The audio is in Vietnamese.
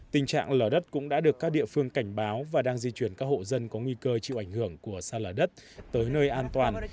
tình trạng lở đất cũng đã được các địa phương cảnh báo và đang di chuyển các hộ dân có nguy cơ chịu ảnh hưởng của sạt lở đất tới nơi an toàn